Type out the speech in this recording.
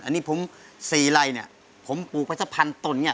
อันนี้ผม๔ไร่เนี่ยผมปลูกไปสักพันตนเนี่ย